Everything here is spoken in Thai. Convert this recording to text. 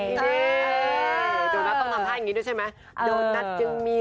โดนัทต้องทำท่าอย่างงี้ด้วยใช่มั้ย